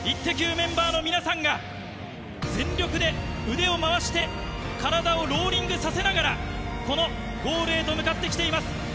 メンバーの皆さんが、全力で腕を回して、体をローリングさせながら、このゴールへと向かってきています。